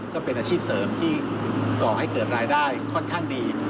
ก็เป็นอาชีพเสริมที่ก่อให้เกิดรายได้ค่อนข้างดี